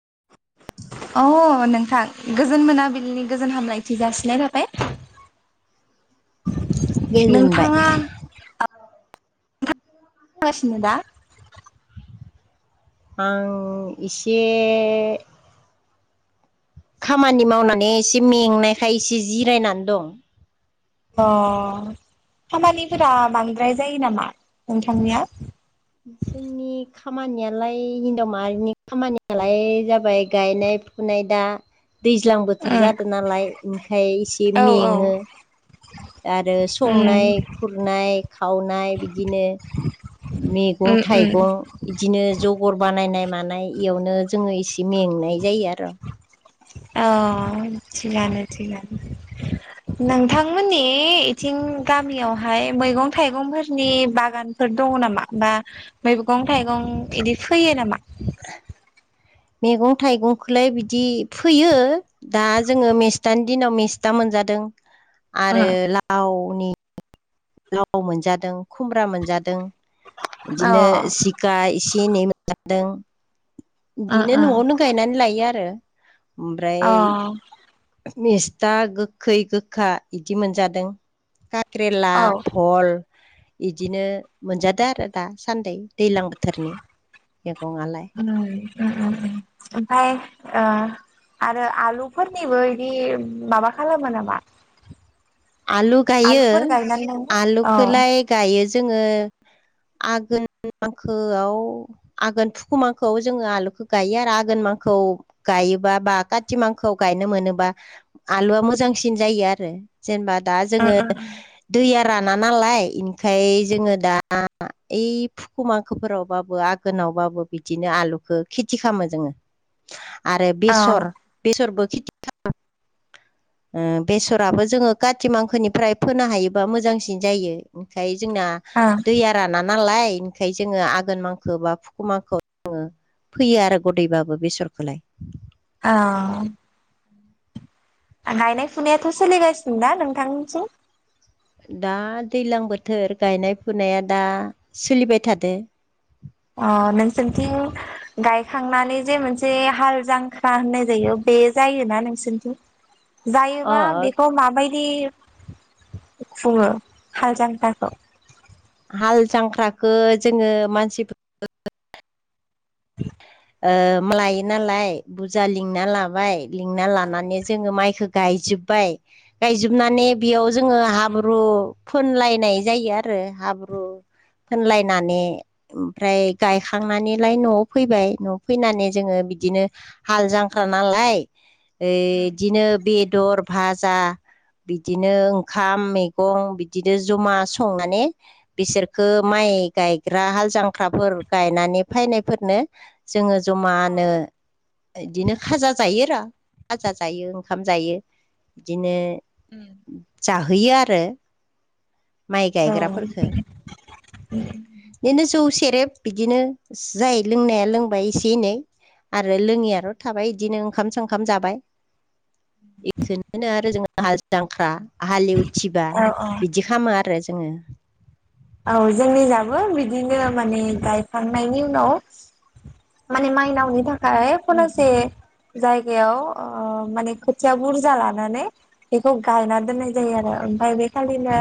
[unintelligible] अ नोंथां गोजोन मोनाबिलिनि गोजोन हामलायथि जासिनाय थाबाय। गोजोनबाय। नोंथाङा मा खामगासिन दा? आं इसे खामानि मावनानै एसे मेंनायखाय एसे जिरायनानै दङ। अ खामानिफोरा बांद्राय जायो नामा नोंथांनिया? जोंनि खामानियालाय हिनजाव माहारिनि खामानियालाय जाबाय गायनाय फुनाय दा दैज्लां बोथोर उम जादों नालाय ओंखाय इसे औ औ मेङो। आरो उम संनाय खुरनाय- खावनाय बिदिनो मैगं उम उम थाइगं इदिनो जगर बानायनाय मा नाय इयावनो जोङो एसे मेंनाय जायो आरो। औ थिगानो थिगानो नोंथांमोननि बे इथिं गामियावहाय मैगं थाइगंफोरनि बागानफोर दङ नामा? बा मैगं थाइगं इदि फैयो नामा? मैगं थाइगंखौलाय बिदि फैयो दा जोङो मेस्थानि दिनाव मेस्टा मोनजादों। आरो उम लावनि लाव मोनजादों खुमब्रा मोनजादों। अ बिदिनो जिखा इसे एनै मोन जादों। उम बिदिनो उम न'आवनो गायनानै लायो आरो। ओमफ्राय मिस्था गोखै गोखा बिदि मोनजादों खाख्रेला अ औ भल इदिनो मोनजादो आरो दा सान्दै दैलां बोथोरनि। मेगंआलाय। उम उम उम। ओमफाय ओ आरो आलुफोरनिबो बे माबा खालामो नामा? आलु गायो आलुफोर गायनानै औ औ आलुखौलाय गायो जोङो आगोन मांखोआव आघोन फुखु मांखौआव जोङो आलुखौ गायो आरो आघोन मांखौ गा योबा बा काति मांखौ गायनो मोनोबा आलुआ मोजांसिन जायो आरो। जेनेबा दा जोङो दैया राना नालाय इनिखाय जोङो दा ओइ फुखुमांखोफोरावबाबो आघोनावबाबो बिदिनो आलुखौ खेथि खालामो जोङो। आरो ओ बेसर बेसरबो खेथि [inaudible] ओ बेसराबो जोङो काति मांखोनिफ्राय फोनो हायोबा मोजांसिन जायो ओंखाय जोंना औ दैया राना नालाय ओंखाय जोङो आघोन मांखौ बा फुखु मांखौ ङो फैयो आरो गदायबाबो बेसरखौलाय। औ। गायनाय फुनायाथ' सोलिगासिनो दा नोंथांनिथिं? दा दैज्लां बोथोर गायनाय फुनाया दा सोलिबाय थादो। अ नोंसोरनिथिं गायखांनानै जे मोनसे हाल जांख्रा होननाय जायो बे जायोना नोंसोरनिथिं अ जायोबा बेखौ माबायदि खुंङो हाल जांख्राखौ? हाल जांख्राखो जोङो मानसि [inaudible] ओ मालायो नालाय बुजा लिंना लाबाय लिंना औ लानानै जोङो माइखौ गायजोब्बाय गायजोबनानै बेयाव जोङो हाब्रु फोनलायनाय जायो आरो हाब्रु फोनलायनानै ओमफ्राय गायखांनानैलाय न'आव फैबाय। न' फैनानै जोङो बिदिनो हाल जांख्रा नालाय उम एदिनो बेदर भाजा बिदिनो ओंखाम मैगं बिदिनो जमा संनानै बिसोरखौ औ माइ अ गायग्रा हाल जांख्राफोर गायनानै फायनायफोरनो जोङो जमानो इदिनो खाजा जायो र' फाजा जायो ओंखाम जायो बिदिनो जाहोयो आरो। माइ उम गायग्राफोरफोरखो। बिदिनो जौ से रेब बिदिनो जाय लोंनाया लोंबाय एसे एनै आरो लोङियाथ' थाबाय बिदिनो ओंखाम संखाम जाबाय। बेखौनो बुङो आरो जोङो हाल जांख्रा हालेवथिबा औ औ औ बिदि खामो आरो जोङो। औ जोंनि जाबो बिदिनो माने गायखांनायनि उनाव माने माइनावनि थाखाय खनासे जायगायाव ओ माने खोथिया बुरजा लानानै बेखौ गायना दोननाय जायो आरो। आमफाय बे खालिनो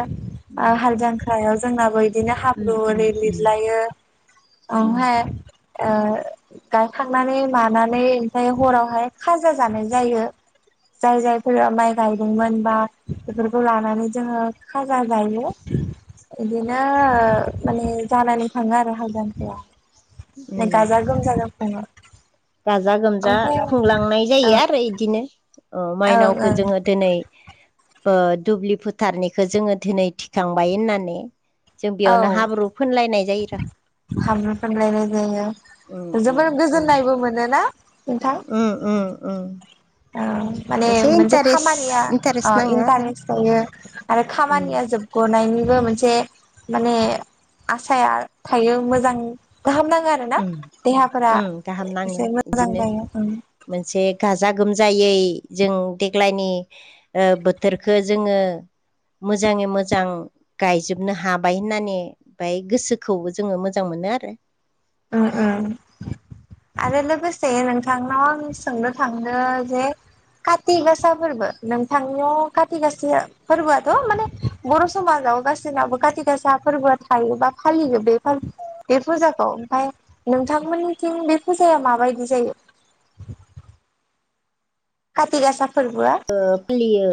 ओ हाल जांख्रायाव जोंनाबै बिदिनो हाब्रु ओरै लिरलायो ओमफाय ओ गायखांनानै मानानै ओमफाय हरावहाय खाजा जानाय जायो। जाय जायफोरा माइ गायदोंमोन बा बेफोरखौ लानानै जोङो खाजा जायो। [unintelligible] इदिनो ओ माने जानानै थाङो आरो हालजांख्राया। ने उम गाजा गोमजा जों खुङो। गाजा गोमजा खुंलांनाय जायो ओं आरो इदिनो। ओ ओं मायनावखौ ओं जोङो दोनै ओ दुब्लि फोथारनिखो जोङो दोनै थिखांबाय होननानै। जों औ बेयावनो हाब्रु फोनलायनाय जायो रा। हाब्रु फुनलायनाय उम जायो। उम जोबोर उम गोजोननायबो मोनोना? उम उम उम। ओ माने मोनसे इन्टारेस्ट खामानिया ओ इन्टारेस्ट नाङो आरो इन्टारेस्ट थायो आरो उम खामानिया जोब ग'नायनिबो मोनसे माने आसाया थायो मोजां गाहाम नाङो आरो ना उम देहाफ्रा उम गाहाम नाङो एसे मोजां जायो उम। जा गोमजायै जों देग्लायनि ओ बोथोरखो जोङो मोजाङै मोजां गायजोबनो हाबाय होननानै बाय गोसोखौबो जोङो मोजां मोन नो आरो। उम उम। आरो लोगोसे नोंथांनाव आं सोंनो थांनो जे खाथि गासा फोरबो नोंथांनियाव खाथि गासाया फोरबोआथ' माने बर' समाज आव गासिबनाबो खाथि गासा फोरबोआ थायो बा फालियो बेफोर बे फुजाखौ। फाय नोंथांमोननिथिं बे फुजाया माबायदि जायो? खाथि गासा फोरबोआ ओ फालियो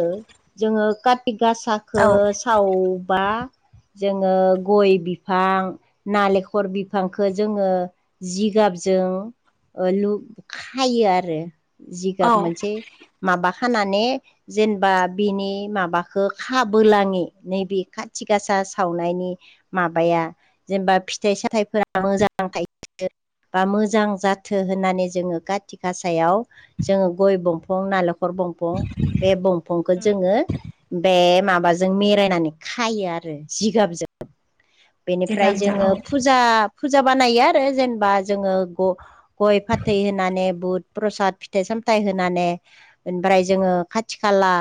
जोङो खाथि गासाखो औ सावबा जोङो गय बिफां, नालेखर बिफांखो जोङो जि गाबजों ओ लुब खायो आरो जिगाब मोनसे माबा खानानै जेनेबा बिनि माबाखो खाबोलाङि नैबे खाथि गासा आ सावनायनि माबाया जेनेबा फिथाइ सामथाइफोरा मोजां थायो बा मोजां जाथो होननानै जोङो खाथि गासायाव जोङो गय दंफं नाले खर दंफं बे दंफंखौ जोङो बे मा बा जों मेरायनानै खायो आरो जिगाब जों। बेनिफ्राय जोङो फुजा फुजा बानायो आरो जेनेबा जोङो ग गय फाथै होनानै बुद प्रसाद फिथाइ सामथाइ होनानै ओनफ्राय जोङो खाथि खाला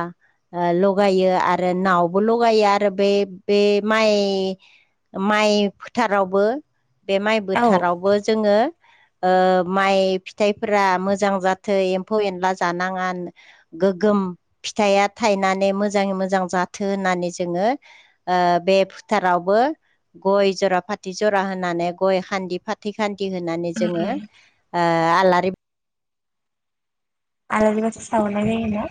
ओ लगायो आरो नावबो लगायो आरो बे बे माइ माइ फोथारावबो बे माइ औ बोथारावबो जोङो ओ माइ फिथाइफोरा मोजां जाथो एम्फौ एनला जानाङा गोगोम फिथाइया थायनानै मोजाङै मोजां जाथो होननानै जोङो ओ ओ बे फोथारावबो गय जरा फाथै जरा होनानै गय खान्दि फाथै खान दि होनानै जोङो औ ओ आलारि आलारि बाथि सावनाय जायो ना।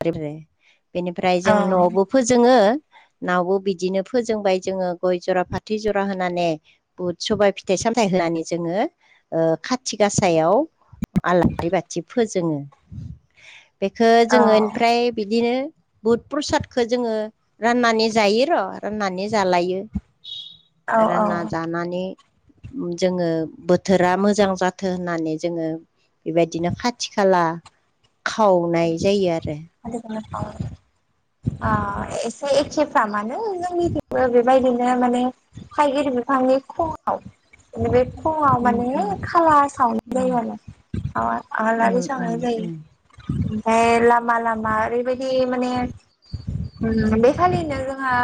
[unintelligible] बेनिफ्राय जों न'आवबो फोजोङो नावबो बिदिनो फोजोंबाय जोङो गय जरा फाथै जरा होनानै बुद सबाय फिथाइ साम थाइ होनानै जोङो ओ खाथि गासायाव आलारि बाथि फोजोङो बेखो जोङो औ थिख बिदिनो बुद प्रसादखो जोङो राननानै जायो र' राननानै जालायो। औ रानना औ जानानै जोङो बोथोरा मोजां जाथों होननानै जोङो बेबायदिनो खाथि खाला खावनाय जायो आरो । [unintelligible] ओ एसे एखेफ्राम आनो जोंनिथिंबो बेबायदिनो माने थायगिर बिफांनि खुमाव नैबे फुङाव उम माने उम खाला सावनाय उम जायो आरो आलारि उम सावनाय उम जायो उम । आमफाय लामा लामा आरैबाय दि माने बे उम खालिनो जोंहा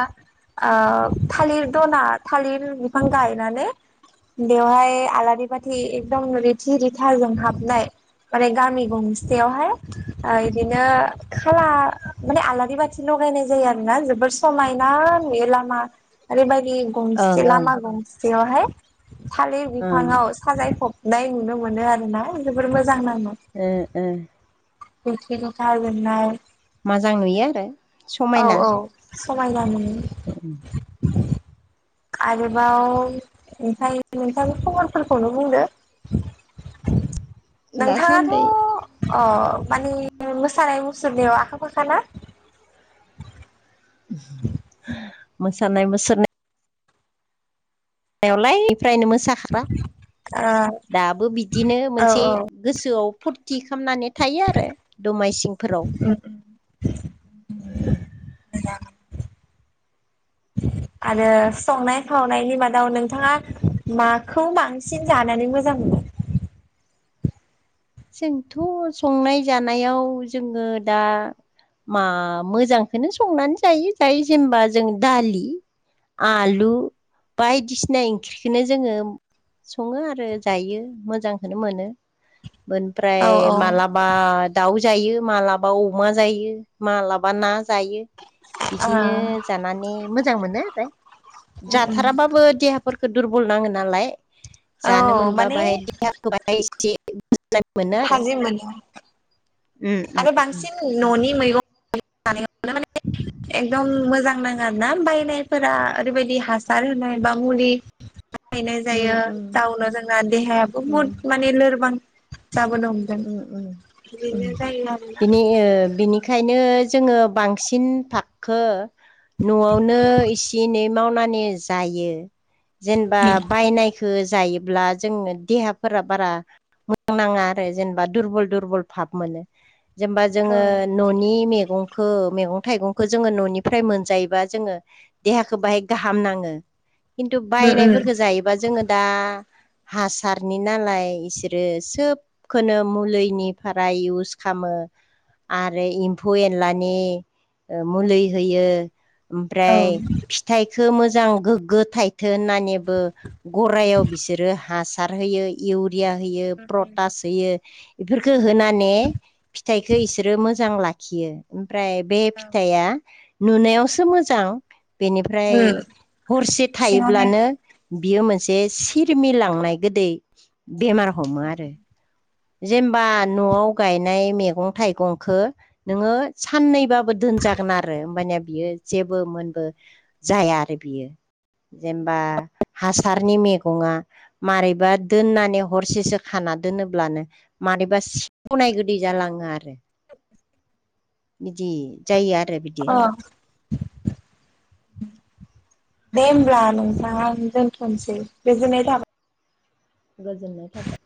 ओ थालिर दना थालिर बिफां गायनानै बेवहाय आलारि बाथि एकदम रिथि रिथा जों हाबनाय माने गामि गंसेसेयावहा यओ इदिनो खाला माने आलादा ओरैबाथि लगायनाय जायो आरोना जोबोर समायना नुयो लामा ओरैबायादि । लि ओं गंसे ओं लामा गंसेयावहाय थालिर ओं बिफाङाव साजायफब नाय नुनो मोनो आरोना जोबोर मोज ओ ओ जोंथि जोंथा जोंनाय मोजां नुयो आरो औ समायना । औ समायना मोनो । [inaudible] आरोबाव ओमफायाय नोंथांनि खबरफोरखौनो बुंदो । [inaudible] दासान्दि नोंथाङाथ' अ मानि मोसानाय मुसुरनायाव आखा फाखा ना? मोसानाय मुसुरनाय आवलाय फ्रायनो मोसाखाग्रा ओ दाबो बिदिनो औ मोनसे औ गोसोआव फुरथि खालामनानै थायो आरो दमाइसिंफोराव [inaudible] आरो संनाय खावनायनि मादाव नोंथाङा माखौ बांसिन जानानै मोजां मोनो? [inaudible] जोंथ' संनाय जानायाव जोङो दा मा मोजांखोनो संनानै जायो जायो जेनबा जों दालि आलु बायदिसिना ओंख्रिखौनो जोङो सङो आरो जायो मोजांखौनो मोनो । ओमफ्राय औ औ मालाबा दाउ जायो मालाबा अमा जायो मालाबा ना जायो ओ बिदिनो जानानै मोजां मोनो आरो । उम उम जाथाराबाबो देहाफोरखौ दुरबल नाङो नालाय औ जानो मोनबा माने बाहाय देहाखौ बाहाय इसे थाजिम मोनो । आरो बांसिन न'नि मैगं माने एकदम मोजां नाङा ना बायनायफोरा ओरैबायाददि हासार होनाय बा मुलि गायनाय जायो जाउनो जोंना देहायाबो बहुद माने लोरबां जाबोनो हमदों बिदिनो जायो आरोना बिनि बिनिखायनो जोङो बांसिन फाखखो न'आवनो इसे एनै मावनानै जायो जेनेबा बायनायखौ जायोब्ला जोंनो देहाफोरा बारा मोजांनाङा जेनेबा दुरबल दुरबल फाब मोनो जेनेबा औ जोङो न'नि मेगं मैगं थाइगंखौ जोङो न'निफ्राय मोनजायोबा जोङो देहाखौ बाहाय गाहाम नाङो। खिनथु उम उम बायनायफोरखो जायोबा जोङो दा हासारनि नालाय बिसोरो सोब खोनो मुलिनिफ्राय इउस खामो। आरो एमफौ एनलानि मुलि होयो। औ ओमफ्राय फिथाइ मोजां गोगो थाइथो होननानैबो गरायाव बिसोरो हासार होयो इउरिया होयो प्रद होयो बेखो होनानै फिथाइखौ इसोरो मोजां लाखियो। ओमफ्राय बे फिथाइया नुनायावसो मोजां उम बेनिफ्राय हरसे सिङावहाय थायोब्लानो बियो मोनसे सिरमिलांनाय गोदै बेमार हमो आरो जेनेबा न'आव गायनाय मैगं थाइगंखो नोङो साननैबाबो बो दोनजागोन आरो होमबानिया बियो जेबो मोनबो जाया आरो बियो जेनेबा हासारनि मैगङा मारैबा दोननानै हरसेसो खानानै ना दोनोब्लानो मानिबा सिवनाय गोदै जालाङो आरो बिदि जायो आरो बिदि अ दे होमब्ला नोंथां आं दोनथ'नोसै गोजोननाय थाबाय। गोजोननाय थाबाय।